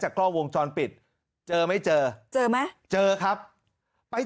กล้องวงจรปิดเจอไม่เจอเจอไหมเจอครับไป